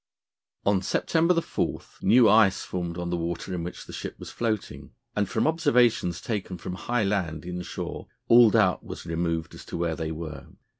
On September 4 new ice formed on the water in which the ship was floating, and from observations taken from high land inshore all doubt was removed as to where they were.